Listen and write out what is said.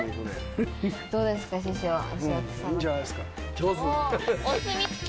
上手。